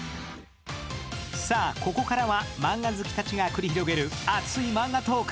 さあ、ここからはマンガ好きたちが繰り広げる、熱いマンガトーク。